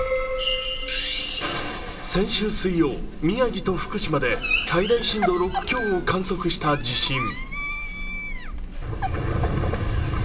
先週水曜、宮城と福島で最大震度６強を観測した地震。